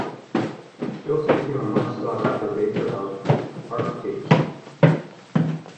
She also became a much sought after baker of "art cakes".